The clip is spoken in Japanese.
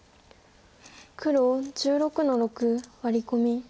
黒１６の六ワリコミ。